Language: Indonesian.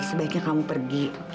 sebaiknya kamu pergi